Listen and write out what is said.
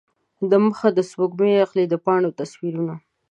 دمخه د سپوږمۍ اخلي د پاڼو تصویرونه